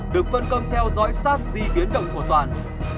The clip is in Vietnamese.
được phân công theo dõi sát di biến động của toàn